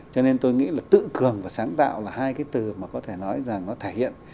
cho nên tôi nghĩ là tự cường và sáng tạo là hai cái từ mà có thể nói rằng nó thể hiện